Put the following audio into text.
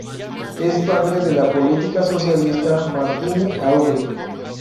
Es padre de la política socialista Martine Aubry.